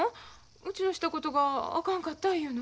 うちのしたことがあかんかった言うの？